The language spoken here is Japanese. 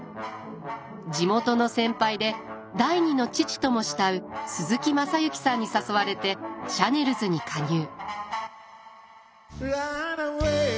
地元の先輩で第二の父とも慕う鈴木雅之さんに誘われてシャネルズに加入。